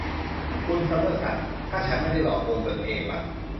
คุณซัมเมอร์ซัน ถ้าฉันไม่ได้หลอกลวงตนเองล่ะ